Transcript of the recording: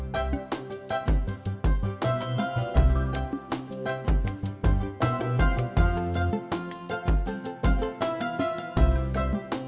pakus penate itu udah diberi state